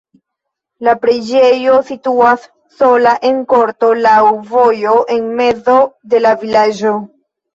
La preĝejo situas sola en korto laŭ vojo en mezo de la vilaĝo.